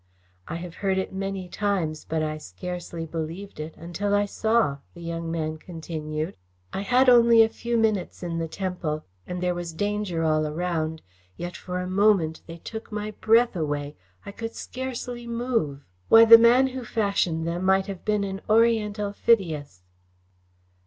"I have heard it many times, but I scarcely believed it until I saw," the young man continued. "I had only a few minutes in the temple and there was danger all around, yet for a moment they took my breath away. I could scarcely move. Why, the man who fashioned them might have been an oriental Phidias."